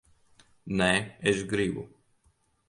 Nē, es gribu.